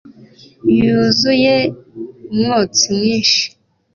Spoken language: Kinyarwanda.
yuzuye umwotsi mwinshi